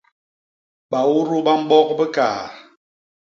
Baudu ba mbok bikaat.